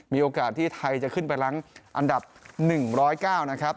มีโอกาสที่ไทยจะขึ้นไปล้างอันดับ๑๐๙นะครับ